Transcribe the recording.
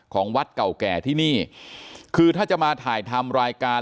ของวัดเก่าแก่ที่นี่คือถ้าจะมาถ่ายทำรายการ